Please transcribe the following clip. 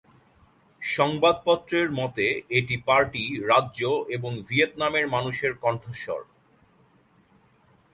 সংবাদপত্রের মতে এটি "পার্টি, রাজ্য এবং ভিয়েতনামের মানুষের কণ্ঠস্বর"।